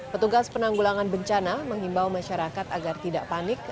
petugas penanggulangan bencana menghimbau masyarakat agar tidak panik